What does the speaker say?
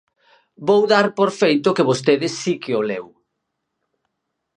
Vou dar por feito que vostede si que o leu.